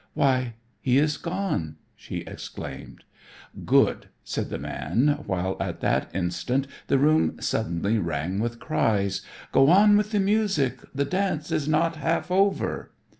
"Why, he is gone," she exclaimed. "Good," said the man, while at that instant the room suddenly rang with cries: "Go on with the music, the dance is not half over."